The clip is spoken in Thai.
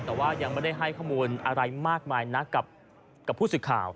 แต่ว่ายังไม่ได้ให้ข้อมูลอะไรมากมายนักกับผู้สื่อข่าว